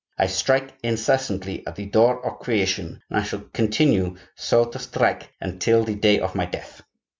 I strike incessantly at the door of creation, and I shall continue so to strike until the day of my death.